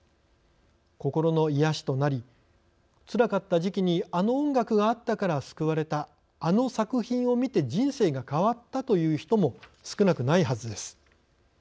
心の癒やしとなりつらかった時期にあの音楽があったから救われたあの作品を見て人生が変わったという人も少なくないはずです。